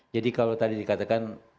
jadi kalau tadi dikatakan